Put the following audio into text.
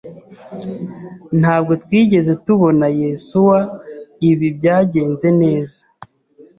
Ntabwo twigeze tubona Yesuwa ibi byagenze neza.